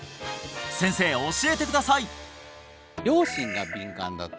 先生教えてください！